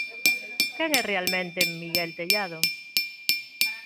Quen é realmente Miguel Tellado?